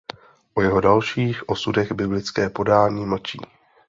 O jeho dalších osudech biblické podání mlčí.